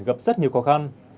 gặp rất nhiều khó khăn